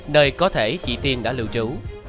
nơi có thể chị tiên đã lưu trú